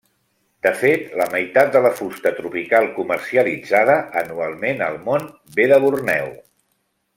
De fet, la meitat de la fusta tropical comercialitzada anualment al món ve de Borneo.